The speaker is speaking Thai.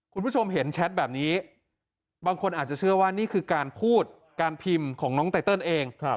คุณผู้ชมเห็นแชทแบบนี้บางคนอาจจะเชื่อว่านี่คือการพูดการพิมพ์ของน้องไตเติลเอง